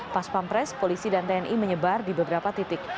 pas pampres polisi dan tni menyebar di beberapa titik